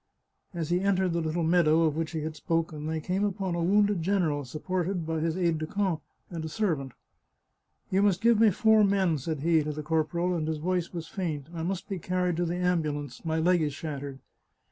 As he entered the little meadow of which he had spoken they came upon a wounded general supported by his aide de camp and a serv ant. " You must give me four men," said he to the cor poral, and his voice was faint. " I must be carried to the ambulance ; my leg is shattered."